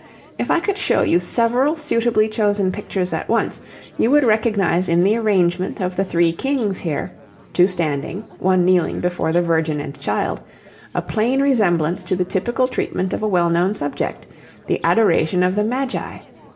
If I could show you several suitably chosen pictures at once, you would recognize in the arrangement of the three Kings here (two standing, one kneeling before the Virgin and Child) a plain resemblance to the typical treatment of a well known subject the Adoration of the Magi.